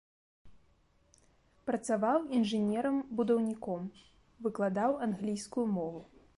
Працаваў інжынерам-будаўніком, выкладаў англійскую мову.